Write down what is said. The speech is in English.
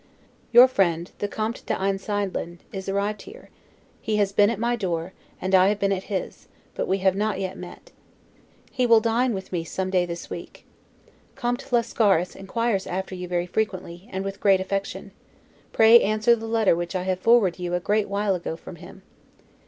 Your friend, the Comte d'Einsiedlen, is arrived here: he has been at my door, and I have been at his; but we have not yet met. He will dine with me some day this week. Comte Lascaris inquires after you very frequently, and with great affection; pray answer the letter which I forwarded to you a great while ago from him.